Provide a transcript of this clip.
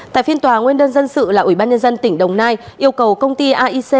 tại phiên tòa nguyên đơn dân sự là ủy ban nhân dân tỉnh đồng nai yêu cầu công ty aic